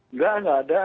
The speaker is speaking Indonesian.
enggak enggak ada